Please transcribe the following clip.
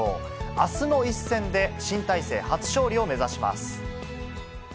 あすの一戦で、新体制初勝利を目指します。